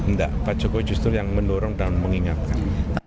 enggak pak jokowi justru yang mendorong dan mengingatkan